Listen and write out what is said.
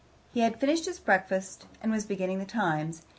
He had finished his breakfast, and was beginning the TIMES.